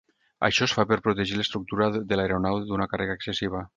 Això es fa per protegir l'estructura de l'aeronau d'una càrrega excessiva.